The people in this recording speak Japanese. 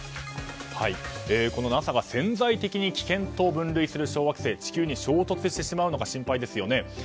ＮＡＳＡが潜在的に危険と分類する小惑星地球に衝突してしまうのか心配ですよね。